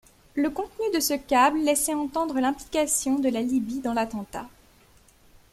Le contenu de ce câble laissait entendre l'implication de la Libye dans l'attentat.